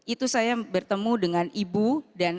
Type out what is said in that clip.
itu saya bertemu dengan ibu dan